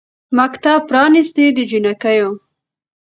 مکتب پرانیستی د جینکیو